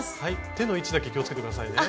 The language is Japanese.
手の位置だけ気をつけて下さいね。